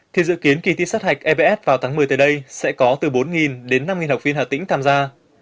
thì dự kiến kỳ thi sát hạch evf vào tháng một mươi tới đây sẽ có từ bốn đến năm học viên hà tĩnh tham gia